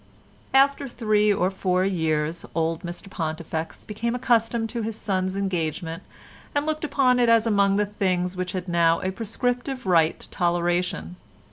After three or four years, old Mr Pontifex became accustomed to his son's engagement and looked upon it as among the things which had now a prescriptive right to toleration.